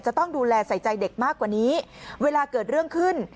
จะต้องดูแลใส่ใจเด็กมากกว่านี้เวลาเกิดเรื่องขึ้น